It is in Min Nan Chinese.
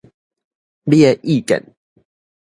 你的意見